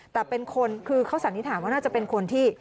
แต่เป็นคนคือเขาสันนิษฐานว่าน่าจะเป็นคนที่